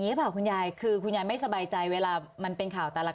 หรือเปล่าคุณยายคือคุณยายไม่สบายใจเวลามันเป็นข่าวแต่ละ